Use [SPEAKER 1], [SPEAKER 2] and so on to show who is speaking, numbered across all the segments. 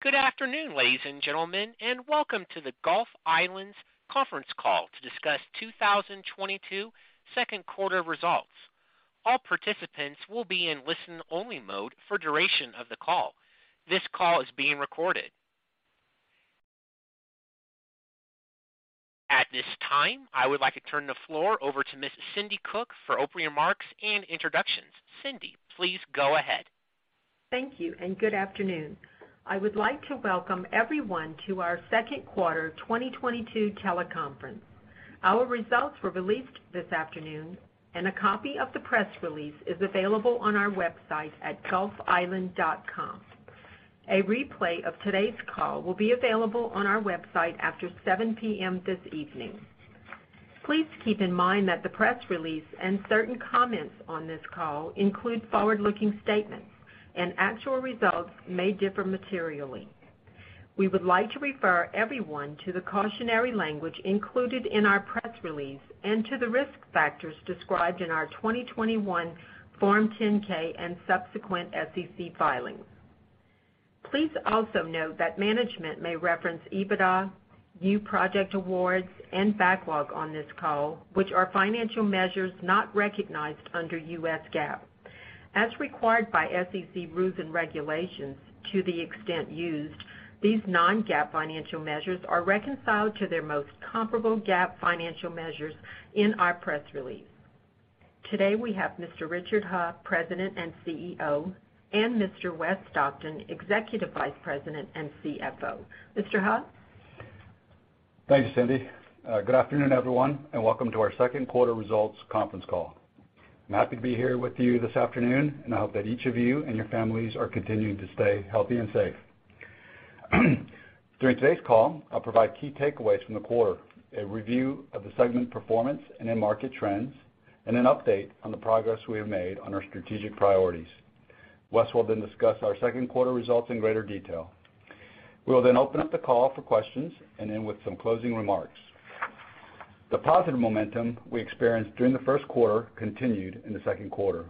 [SPEAKER 1] Good afternoon, ladies and gentlemen, and welcome to the Gulf Island's conference call to discuss 2022 second quarter results. All participants will be in listen-only mode for duration of the call. This call is being recorded. At this time, I would like to turn the floor over to Ms. Cindi Cook for opening remarks and introductions. Cindi, please go ahead.
[SPEAKER 2] Thank you and good afternoon. I would like to welcome everyone to our second quarter 2022 teleconference. Our results were released this afternoon, and a copy of the press release is available on our website at gulfisland.com. A replay of today's call will be available on our website after 7 P.M. this evening. Please keep in mind that the press release and certain comments on this call include forward-looking statements, and actual results may differ materially. We would like to refer everyone to the cautionary language included in our press release and to the risk factors described in our 2021 Form 10-K and subsequent SEC filings. Please also note that management may reference EBITDA, new project awards, and backlog on this call, which are financial measures not recognized under US GAAP. As required by SEC rules and regulations to the extent used, these non-GAAP financial measures are reconciled to their most comparable GAAP financial measures in our press release. Today, we have Mr. Richard Heo, President and CEO, and Mr. Westley S. Stockton, Executive Vice President and CFO. Mr. Heo?
[SPEAKER 3] Thanks, Cindy. Good afternoon, everyone, and welcome to our second quarter results conference call. I'm happy to be here with you this afternoon, and I hope that each of you and your families are continuing to stay healthy and safe. During today's call, I'll provide key takeaways from the quarter, a review of the segment performance and end market trends, and an update on the progress we have made on our strategic priorities. Wes will then discuss our second quarter results in greater detail. We will then open up the call for questions and end with some closing remarks. The positive momentum we experienced during the first quarter continued in the second quarter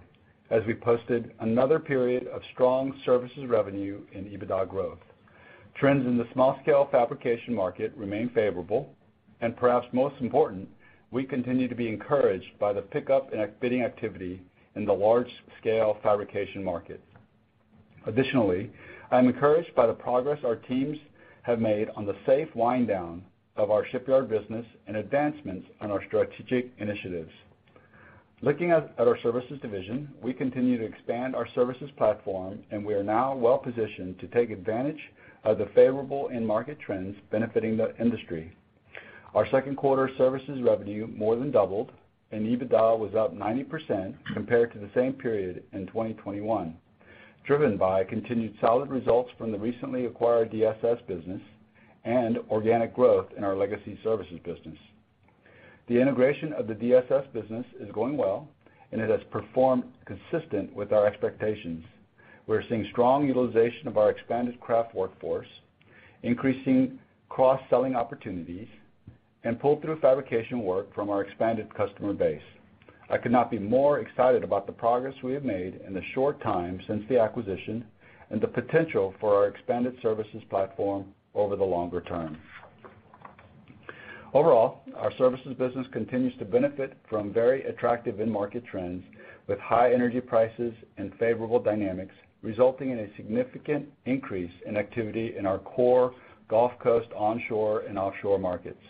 [SPEAKER 3] as we posted another period of strong services revenue and EBITDA growth. Trends in the small-scale fabrication market remain favorable, and perhaps most important, we continue to be encouraged by the pickup in active bidding activity in the large-scale fabrication market. Additionally, I'm encouraged by the progress our teams have made on the safe wind down of our shipyard business and advancements on our strategic initiatives. Looking at our services division, we continue to expand our services platform, and we are now well-positioned to take advantage of the favorable end market trends benefiting the industry. Our second quarter services revenue more than doubled, and EBITDA was up 90% compared to the same period in 2021, driven by continued solid results from the recently acquired DSS business and organic growth in our legacy services business. The integration of the DSS business is going well, and it has performed consistent with our expectations. We're seeing strong utilization of our expanded craft workforce, increasing cross-selling opportunities, and pull-through fabrication work from our expanded customer base. I could not be more excited about the progress we have made in the short time since the acquisition and the potential for our expanded services platform over the longer term. Overall, our services business continues to benefit from very attractive end market trends with high energy prices and favorable dynamics, resulting in a significant increase in activity in our core Gulf Coast onshore and offshore markets.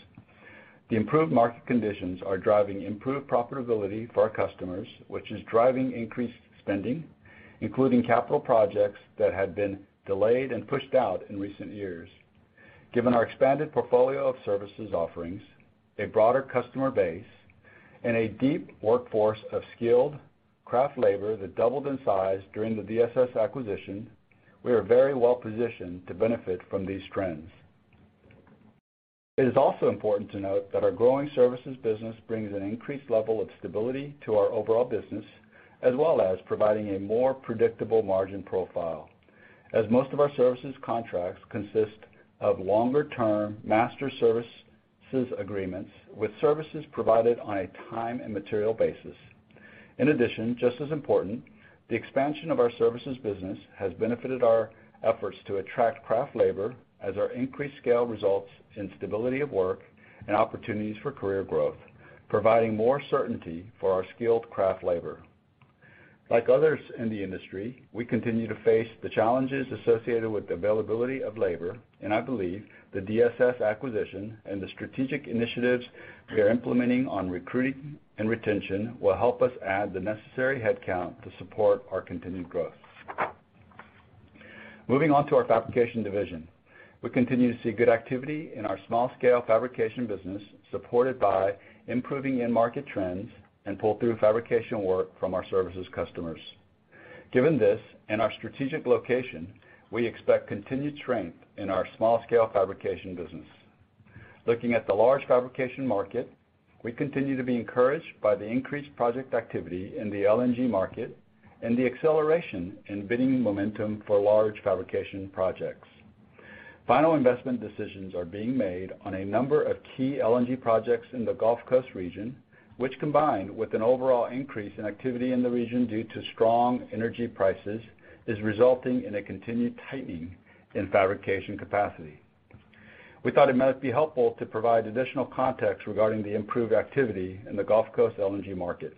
[SPEAKER 3] The improved market conditions are driving improved profitability for our customers, which is driving increased spending, including capital projects that had been delayed and pushed out in recent years. Given our expanded portfolio of services offerings, a broader customer base, and a deep workforce of skilled craft labor that doubled in size during the DSS acquisition, we are very well-positioned to benefit from these trends. It is also important to note that our growing services business brings an increased level of stability to our overall business as well as providing a more predictable margin profile as most of our services contracts consist of longer-term master services agreements with services provided on a time and material basis. In addition, just as important, the expansion of our services business has benefited our efforts to attract craft labor as our increased scale results in stability of work and opportunities for career growth, providing more certainty for our skilled craft labor. Like others in the industry, we continue to face the challenges associated with availability of labor, and I believe the DSS acquisition and the strategic initiatives we are implementing on recruiting and retention will help us add the necessary headcount to support our continued growth. Moving on to our fabrication division. We continue to see good activity in our small-scale fabrication business, supported by improving end market trends and pull-through fabrication work from our services customers. Given this and our strategic location, we expect continued strength in our small-scale fabrication business. Looking at the large fabrication market, we continue to be encouraged by the increased project activity in the LNG market and the acceleration in bidding momentum for large fabrication projects. Final investment decisions are being made on a number of key LNG projects in the Gulf Coast region, which combined with an overall increase in activity in the region due to strong energy prices, is resulting in a continued tightening in fabrication capacity. We thought it might be helpful to provide additional context regarding the improved activity in the Gulf Coast LNG market.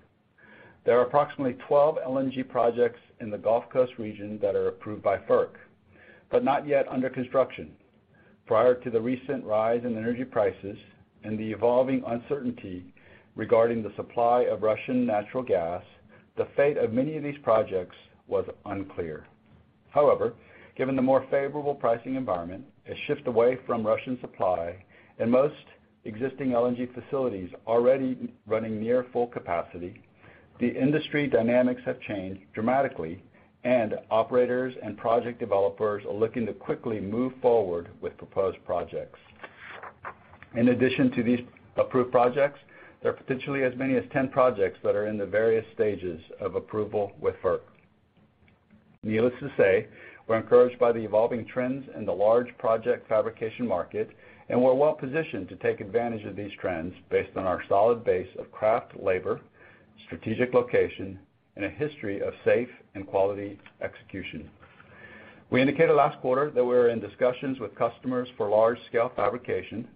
[SPEAKER 3] There are approximately 12 LNG projects in the Gulf Coast region that are approved by FERC, but not yet under construction. Prior to the recent rise in energy prices and the evolving uncertainty regarding the supply of Russian natural gas, the fate of many of these projects was unclear. However, given the more favorable pricing environment, a shift away from Russian supply and most existing LNG facilities already running near full capacity, the industry dynamics have changed dramatically, and operators and project developers are looking to quickly move forward with proposed projects. In addition to these approved projects, there are potentially as many as 10 projects that are in the various stages of approval with FERC. Needless to say, we're encouraged by the evolving trends in the large project fabrication market, and we're well-positioned to take advantage of these trends based on our solid base of craft labor, strategic location, and a history of safe and quality execution. We indicated last quarter that we were in discussions with customers for large-scale fabrication.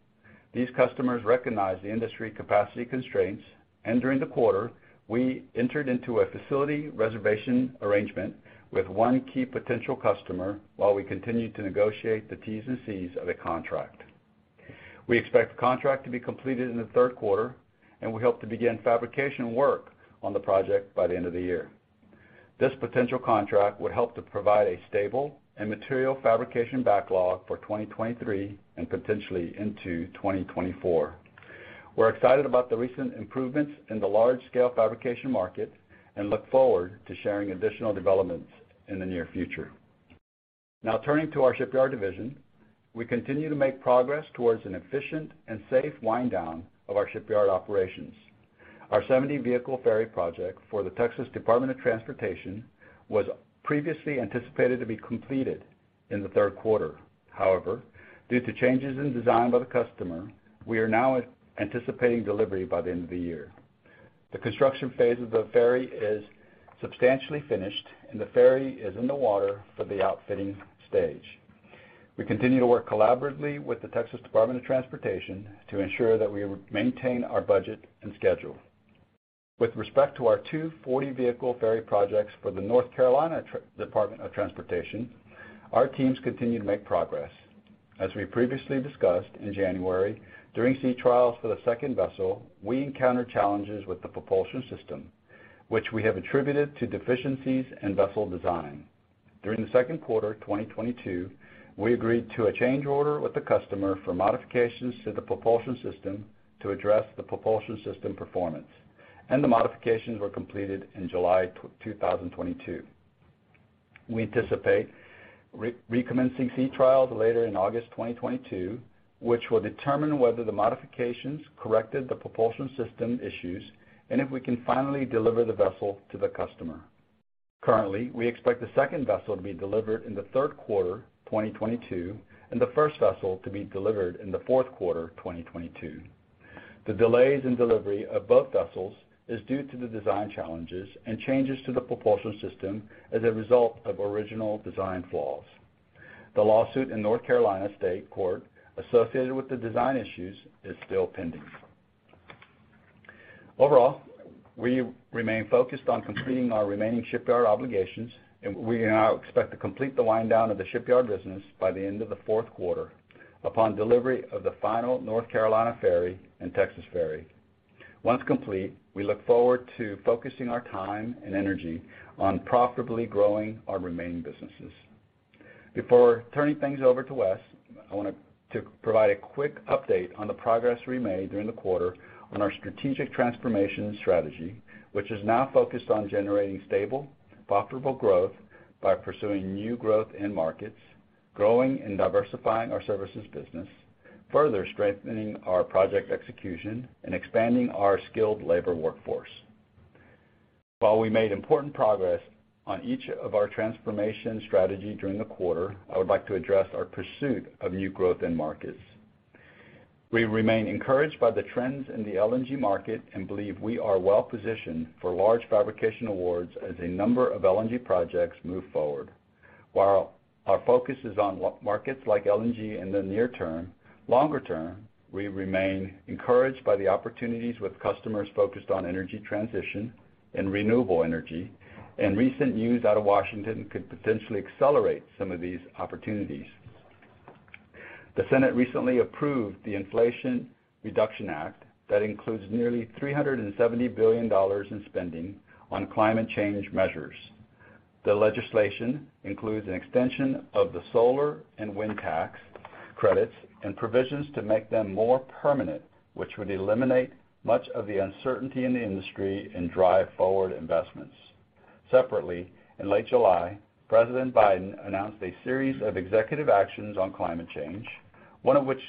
[SPEAKER 3] These customers recognize the industry capacity constraints, and during the quarter, we entered into a facility reservation arrangement with one key potential customer while we continued to negotiate the T's and C's of a contract. We expect the contract to be completed in the third quarter, and we hope to begin fabrication work on the project by the end of the year. This potential contract would help to provide a stable and material fabrication backlog for 2023 and potentially into 2024. We're excited about the recent improvements in the large-scale fabrication market and look forward to sharing additional developments in the near future. Now turning to our shipyard division. We continue to make progress towards an efficient and safe wind down of our shipyard operations. Our 70-vehicle ferry project for the Texas Department of Transportation was previously anticipated to be completed in the third quarter. However, due to changes in design by the customer, we are now anticipating delivery by the end of the year. The construction phase of the ferry is substantially finished and the ferry is in the water for the outfitting stage. We continue to work collaboratively with the Texas Department of Transportation to ensure that we maintain our budget and schedule. With respect to our two 40-vehicle ferry projects for the North Carolina Department of Transportation, our teams continue to make progress. As we previously discussed in January, during sea trials for the second vessel, we encountered challenges with the propulsion system, which we have attributed to deficiencies in vessel design. During the second quarter, 2022, we agreed to a change order with the customer for modifications to the propulsion system to address the propulsion system performance, and the modifications were completed in July 2022. We anticipate recommencing sea trials later in August 2022, which will determine whether the modifications corrected the propulsion system issues and if we can finally deliver the vessel to the customer. Currently, we expect the second vessel to be delivered in the third quarter 2022, and the first vessel to be delivered in the fourth quarter 2022. The delays in delivery of both vessels is due to the design challenges and changes to the propulsion system as a result of original design flaws. The lawsuit in North Carolina State Court associated with the design issues is still pending. Overall, we remain focused on completing our remaining shipyard obligations, and we now expect to complete the wind down of the shipyard business by the end of the fourth quarter upon delivery of the final North Carolina ferry and Texas ferry. Once complete, we look forward to focusing our time and energy on profitably growing our remaining businesses. Before turning things over to Wes, I wanted to provide a quick update on the progress we made during the quarter on our strategic transformation strategy, which is now focused on generating stable, profitable growth by pursuing new growth in markets, growing and diversifying our services business, further strengthening our project execution, and expanding our skilled labor workforce. While we made important progress on each of our transformation strategy during the quarter, I would like to address our pursuit of new growth in markets. We remain encouraged by the trends in the LNG market and believe we are well-positioned for large fabrication awards as a number of LNG projects move forward. While our focus is on what markets like LNG in the near term, longer term, we remain encouraged by the opportunities with customers focused on energy transition and renewable energy, and recent news out of Washington could potentially accelerate some of these opportunities. The Senate recently approved the Inflation Reduction Act that includes nearly $370 billion in spending on climate change measures. The legislation includes an extension of the solar and wind tax credits and provisions to make them more permanent, which would eliminate much of the uncertainty in the industry and drive forward investments. Separately, in late July, President Biden announced a series of executive actions on climate change, one of which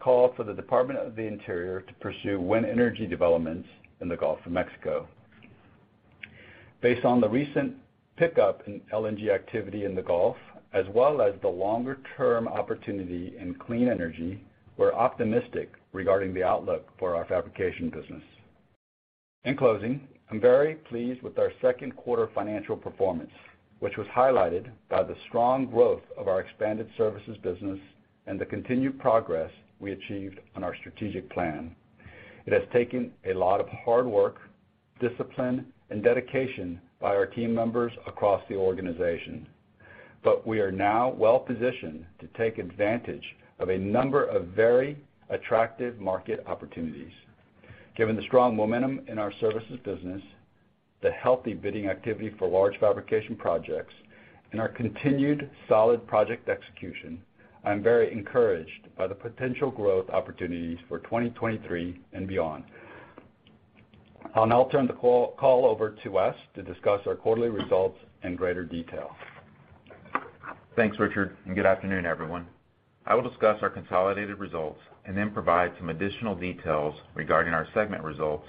[SPEAKER 3] called for the Department of the Interior to pursue wind energy developments in the Gulf of Mexico. Based on the recent pickup in LNG activity in the Gulf, as well as the longer-term opportunity in clean energy, we're optimistic regarding the outlook for our fabrication business. In closing, I'm very pleased with our second quarter financial performance, which was highlighted by the strong growth of our expanded services business and the continued progress we achieved on our strategic plan. It has taken a lot of hard work, discipline, and dedication by our team members across the organization, but we are now well-positioned to take advantage of a number of very attractive market opportunities. Given the strong momentum in our services business, the healthy bidding activity for large fabrication projects, and our continued solid project execution, I'm very encouraged by the potential growth opportunities for 2023 and beyond. I'll now turn the call over to Wes to discuss our quarterly results in greater detail.
[SPEAKER 4] Thanks, Richard, and good afternoon, everyone. I will discuss our consolidated results and then provide some additional details regarding our segment results,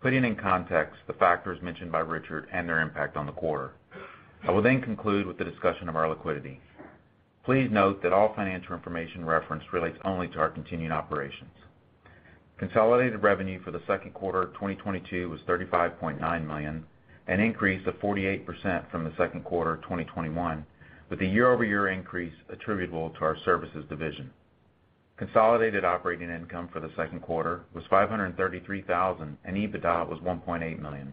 [SPEAKER 4] putting in context the factors mentioned by Richard and their impact on the quarter. I will then conclude with the discussion of our liquidity. Please note that all financial information referenced relates only to our continuing operations. Consolidated revenue for the second quarter of 2022 was $35.9 million, an increase of 48% from the second quarter of 2021, with the year-over-year increase attributable to our services division. Consolidated operating income for the second quarter was $533,000, and EBITDA was $1.8 million.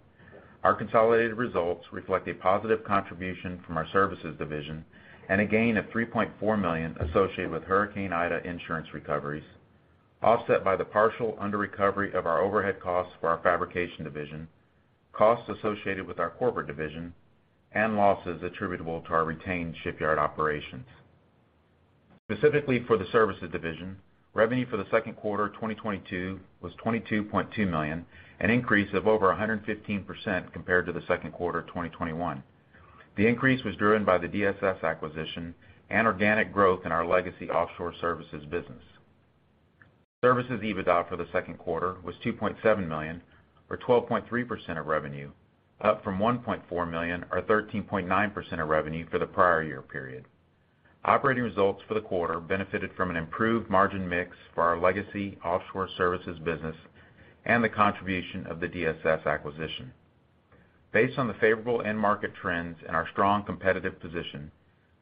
[SPEAKER 4] Our consolidated results reflect a positive contribution from our services division and a gain of $3.4 million associated with Hurricane Ida insurance recoveries, offset by the partial under recovery of our overhead costs for our fabrication division, costs associated with our corporate division, and losses attributable to our retained shipyard operations. Specifically for the services division, revenue for the second quarter of 2022 was $22.2 million, an increase of over 115% compared to the second quarter of 2021. The increase was driven by the DSS acquisition and organic growth in our legacy offshore services business. Services EBITDA for the second quarter was $2.7 million, or 12.3% of revenue, up from $1.4 million or 13.9% of revenue for the prior year period. Operating results for the quarter benefited from an improved margin mix for our legacy offshore services business and the contribution of the DSS acquisition. Based on the favorable end market trends and our strong competitive position,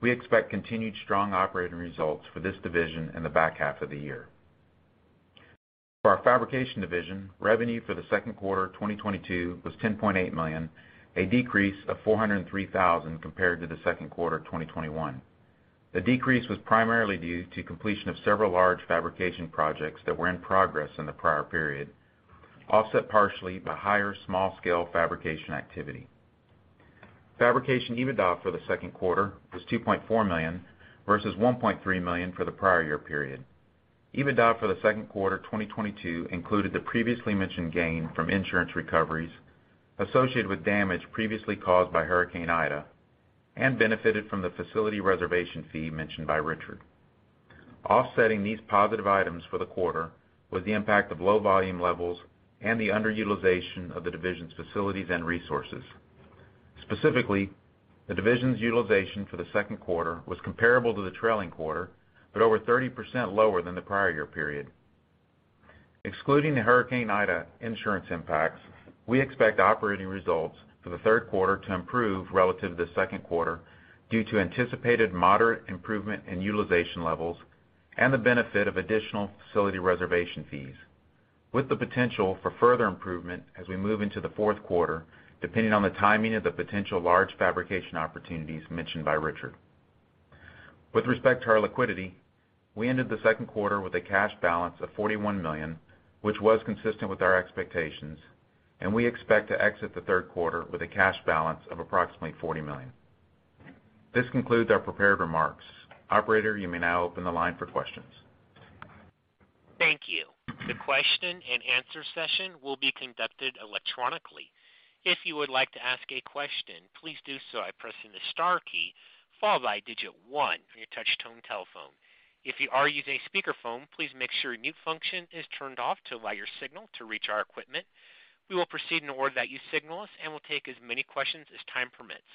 [SPEAKER 4] we expect continued strong operating results for this division in the back half of the year. For our fabrication division, revenue for the second quarter of 2022 was $10.8 million, a decrease of $403,000 compared to the second quarter of 2021. The decrease was primarily due to completion of several large fabrication projects that were in progress in the prior period, offset partially by higher small-scale fabrication activity. Fabrication EBITDA for the second quarter was $2.4 million versus $1.3 million for the prior year period. EBITDA for the second quarter of 2022 included the previously mentioned gain from insurance recoveries associated with damage previously caused by Hurricane Ida and benefited from the facility reservation fee mentioned by Richard. Offsetting these positive items for the quarter was the impact of low volume levels and the underutilization of the division's facilities and resources. Specifically, the division's utilization for the second quarter was comparable to the trailing quarter, but over 30% lower than the prior year period. Excluding the Hurricane Ida insurance impacts, we expect operating results for the third quarter to improve relative to the second quarter due to anticipated moderate improvement in utilization levels and the benefit of additional facility reservation fees, with the potential for further improvement as we move into the fourth quarter, depending on the timing of the potential large fabrication opportunities mentioned by Richard. With respect to our liquidity, we ended the second quarter with a cash balance of $41 million, which was consistent with our expectations, and we expect to exit the third quarter with a cash balance of approximately $40 million. This concludes our prepared remarks. Operator, you may now open the line for questions.
[SPEAKER 1] Thank you. The question and answer session will be conducted electronically. If you would like to ask a question, please do so by pressing the star key followed by digit one on your touch-tone telephone. If you are using a speakerphone, please make sure mute function is turned off to allow your signal to reach our equipment. We will proceed in order that you signal us, and we'll take as many questions as time permits.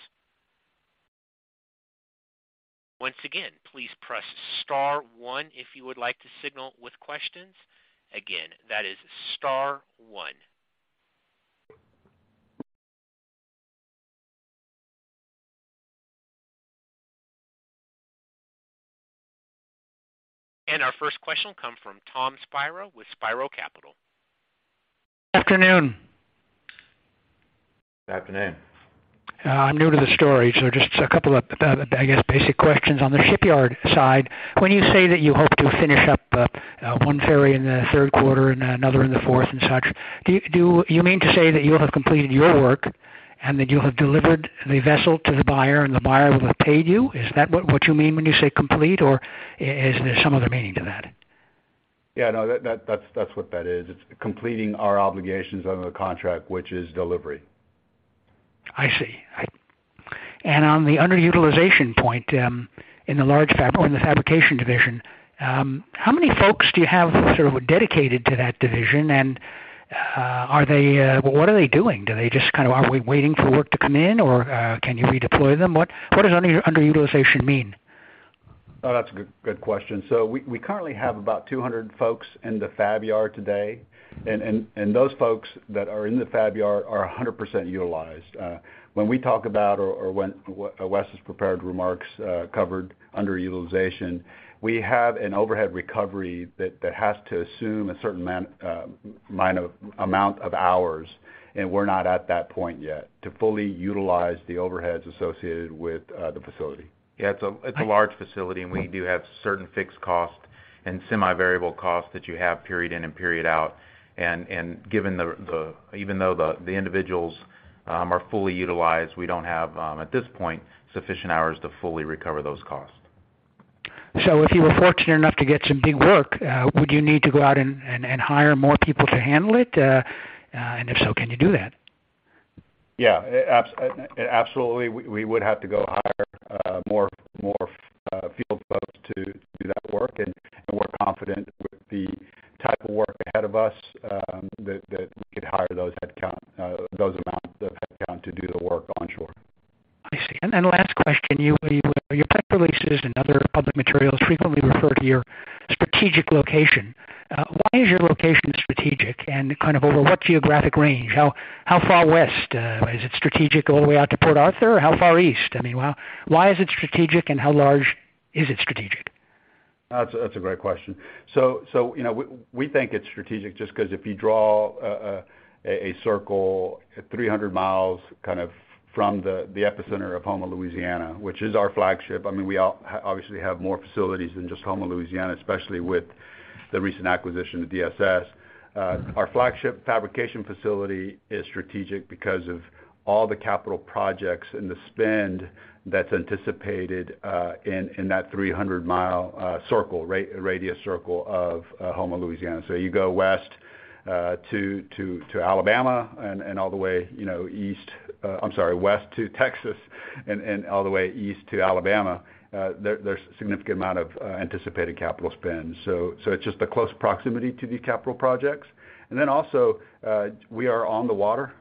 [SPEAKER 1] Once again, please press star 1 if you would like to signal with questions. Again, that is star 1. Our first question will come from JP Geygan with Spiro Capital.
[SPEAKER 5] Afternoon.
[SPEAKER 3] Afternoon.
[SPEAKER 5] I'm new to the story, so just a couple of, I guess, basic questions on the shipyard side. When you say that you hope to finish up, one ferry in the third quarter and another in the fourth and such, do you mean to say that you'll have completed your work and that you'll have delivered the vessel to the buyer and the buyer will have paid you? Is that what you mean when you say complete, or is there some other meaning to that?
[SPEAKER 4] Yeah, no, that's what that is. It's completing our obligations under the contract, which is delivery.
[SPEAKER 5] I see. On the underutilization point, in the fabrication division, how many folks do you have sort of dedicated to that division, and are they, what are they doing? Do they just kind of are we waiting for work to come in or can you redeploy them? What does underutilization mean?
[SPEAKER 3] Oh, that's a good question. We currently have about 200 folks in the fab yard today. Those folks that are in the fab yard are 100% utilized. When we talk about Wes's prepared remarks covered underutilization, we have an overhead recovery that has to assume a certain minor amount of hours, and we're not at that point yet to fully utilize the overheads associated with the facility.
[SPEAKER 4] Yeah. It's a large facility, and we do have certain fixed costs and semi-variable costs that you have period in and period out. Given even though the individuals are fully utilized, we don't have at this point sufficient hours to fully recover those costs.
[SPEAKER 5] If you were fortunate enough to get some big work, would you need to go out and hire more people to handle it? If so, can you do that?
[SPEAKER 3] Yeah. Absolutely, we would have to go hire more field folks to do that work. We're confident with the type of work ahead of us, that we could hire those amount of headcount to do the work onshore.
[SPEAKER 5] I see. Last question. Your press releases and other public materials frequently refer to your strategic location. Why is your location strategic, and kind of over what geographic range? How far west? Is it strategic all the way out to Port Arthur? How far east? I mean, why is it strategic, and how large is it strategic?
[SPEAKER 3] That's a great question. You know, we think it's strategic just 'cause if you draw a circle 300 miles kind of from the epicenter of Houma, Louisiana, which is our flagship. I mean, we all obviously have more facilities than just Houma, Louisiana, especially with the recent acquisition of DSS. Our flagship fabrication facility is strategic because of all the capital projects and the spend that's anticipated in that 300-mile radius circle of Houma, Louisiana. You go west to Alabama and all the way, you know, east. I'm sorry, west to Texas and all the way east to Alabama. There's significant amount of anticipated capital spend. It's just the close proximity to these capital projects. We are on the water,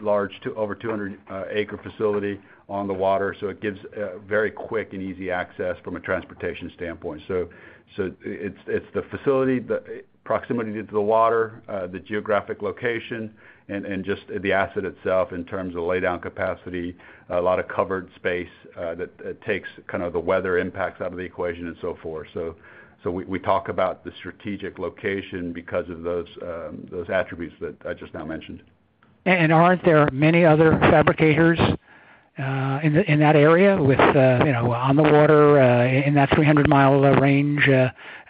[SPEAKER 3] large, over 200-acre facility on the water, so it gives very quick and easy access from a transportation standpoint. It's the facility, the proximity to the water, the geographic location and just the asset itself in terms of laydown capacity, a lot of covered space, that takes kind of the weather impacts out of the equation and so forth. We talk about the strategic location because of those attributes that I just now mentioned.
[SPEAKER 5] Aren't there many other fabricators in that area with, you know, on the water in that 300-mile range?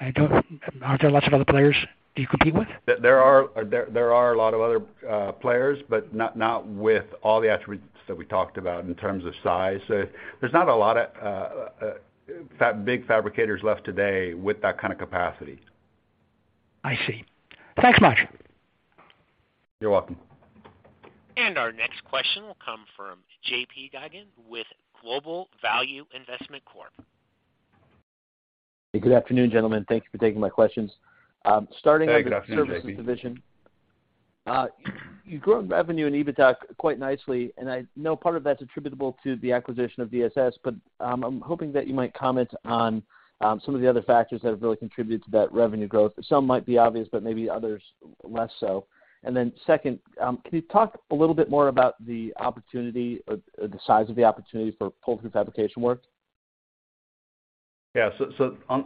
[SPEAKER 5] Aren't there lots of other players do you compete with?
[SPEAKER 3] There are a lot of other players, but not with all the attributes that we talked about in terms of size. There's not a lot of big fabricators left today with that kind of capacity.
[SPEAKER 5] I see. Thanks much.
[SPEAKER 3] You're welcome.
[SPEAKER 1] Our next question will come from JP Geygan with Global Value Investment Corporation.
[SPEAKER 6] Good afternoon, gentlemen. Thank you for taking my questions.
[SPEAKER 3] Good afternoon, JP.
[SPEAKER 6] With the services division. You grew in revenue and EBITDA quite nicely, and I know part of that's attributable to the acquisition of DSS, but I'm hoping that you might comment on some of the other factors that have really contributed to that revenue growth. Some might be obvious, but maybe others less so. Second, can you talk a little bit more about the opportunity or the size of the opportunity for pull-through fabrication work?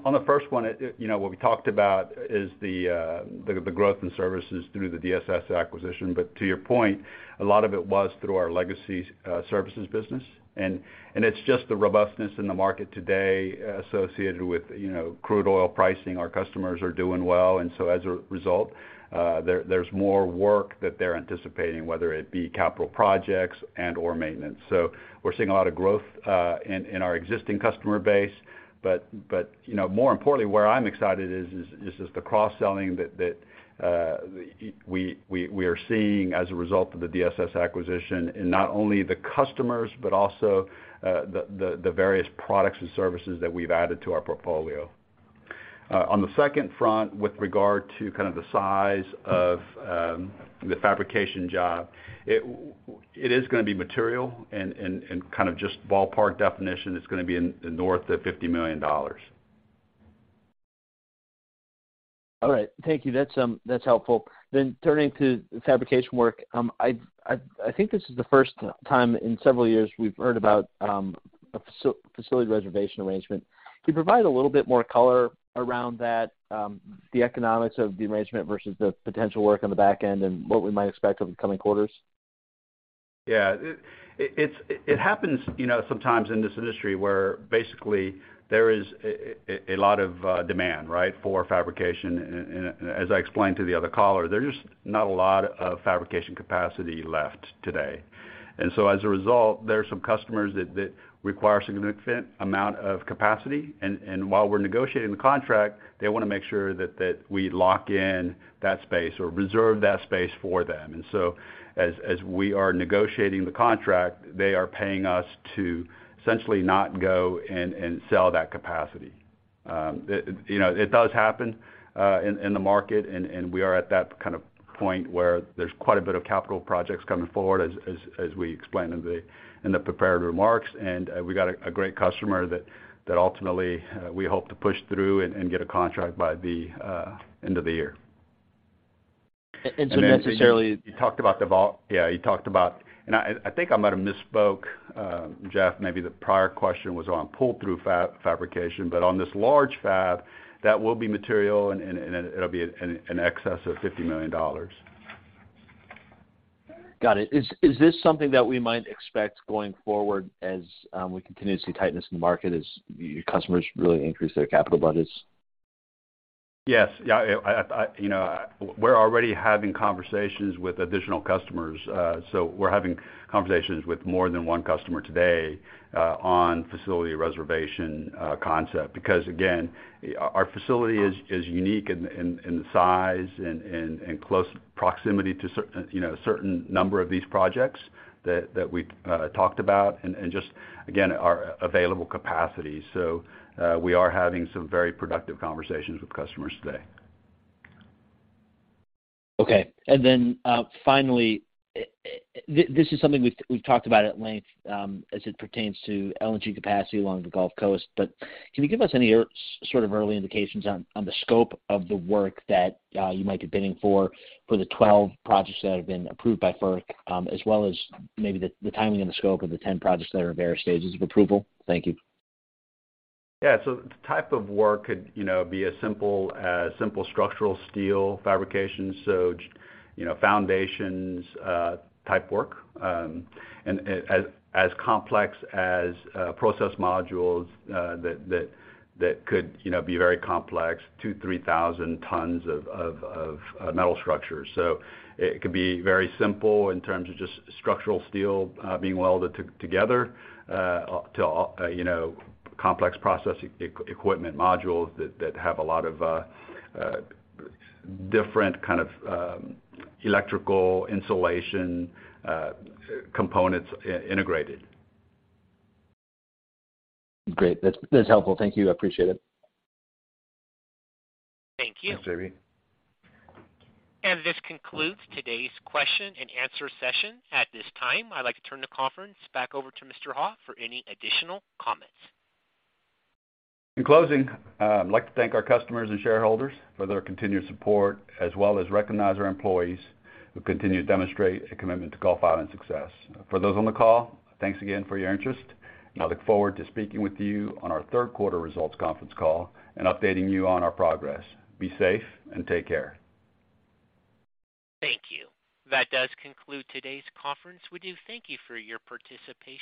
[SPEAKER 3] On the first one, you know, what we talked about is the growth in services through the DSS acquisition. To your point, a lot of it was through our legacy services business. It's just the robustness in the market today associated with, you know, crude oil pricing. Our customers are doing well. As a result, there's more work that they're anticipating, whether it be capital projects and/or maintenance. We're seeing a lot of growth in our existing customer base. You know, more importantly, where I'm excited is just the cross-selling that we are seeing as a result of the DSS acquisition in not only the customers, but also the various products and services that we've added to our portfolio. On the second front, with regard to kind of the size of the fabrication job, it is gonna be material and kind of just ballpark definition. It's gonna be north of $50 million.
[SPEAKER 6] All right. Thank you. That's helpful. Turning to fabrication work, I think this is the first time in several years we've heard about a facility reservation arrangement. Can you provide a little bit more color around that, the economics of the arrangement versus the potential work on the back end and what we might expect over the coming quarters?
[SPEAKER 3] It happens, you know, sometimes in this industry where basically there is a lot of demand, right, for fabrication. As I explained to the other caller, there's just not a lot of fabrication capacity left today. As a result, there are some customers that require significant amount of capacity. While we're negotiating the contract, they wanna make sure that we lock in that space or reserve that space for them. As we are negotiating the contract, they are paying us to essentially not go and sell that capacity. You know, it does happen in the market, and we are at that kind of point where there's quite a bit of capital projects coming forward as we explained in the prepared remarks. We got a great customer that ultimately we hope to push through and get a contract by the end of the year.
[SPEAKER 6] And so necessarily-
[SPEAKER 3] Yeah, you talked about. I think I might have misspoke, Jeff, maybe the prior question was on pull-through fabrication. On this large fab, that will be material, and it'll be in excess of $50 million.
[SPEAKER 6] Got it. Is this something that we might expect going forward as we continue to see tightness in the market as your customers really increase their capital budgets?
[SPEAKER 3] Yes. Yeah, you know, we're already having conversations with additional customers. We're having conversations with more than one customer today, on facility reservation concept. Because again, our facility is unique in the size and close proximity to you know, a certain number of these projects that we talked about and just, again, our available capacity. We are having some very productive conversations with customers today.
[SPEAKER 6] Okay. Finally, this is something we've talked about at length, as it pertains to LNG capacity along the Gulf Coast. Can you give us any sort of early indications on the scope of the work that you might be bidding for the 12 projects that have been approved by FERC, as well as maybe the timing and the scope of the 10 projects that are at various stages of approval? Thank you.
[SPEAKER 3] Yeah. The type of work could, you know, be as simple as structural steel fabrication, you know, foundations, type work. As complex as process modules that could, you know, be very complex, 2,000-3,000 tons of metal structures. It could be very simple in terms of just structural steel being welded together, to, you know, complex processing equipment modules that have a lot of different kind of electrical insulation components integrated.
[SPEAKER 6] Great. That's helpful. Thank you. I appreciate it.
[SPEAKER 1] Thank you.
[SPEAKER 3] Thanks, JP.
[SPEAKER 1] This concludes today's question and answer session. At this time, I'd like to turn the conference back over to Mr. Heo for any additional comments.
[SPEAKER 3] In closing, I'd like to thank our customers and shareholders for their continued support, as well as recognize our employees who continue to demonstrate a commitment to Gulf Island's success. For those on the call, thanks again for your interest, and I look forward to speaking with you on our third quarter results conference call and updating you on our progress. Be safe and take care.
[SPEAKER 1] Thank you. That does conclude today's conference. We do thank you for your participation.